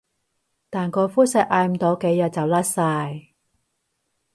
但個灰色捱唔到幾日就甩晒